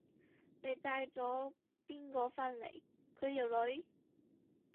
你帶咗邊個返嚟？佢條女？